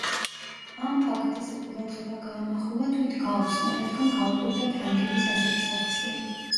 ამ ფაქტზე ყურადღება გაამახვილა თვით გაუსმა, რადგან გაუკვირდა ფრანგების ასეთი საქციელი.